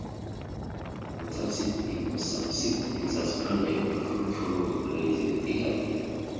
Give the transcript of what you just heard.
He was subsequently suspended for the following race in Italy.